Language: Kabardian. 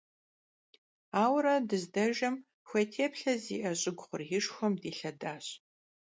Ауэрэ дыздэжэм, хуей теплъэ зиIэ щIыгу хъуреишхуэм дилъэдащ.